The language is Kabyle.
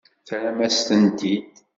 Terram-as-tent-id.